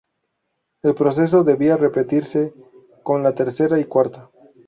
El proceso debía repetirse con la tercera y cuarta.